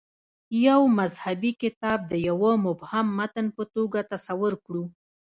یو مذهبي کتاب د یوه مبهم متن په توګه تصور کړو.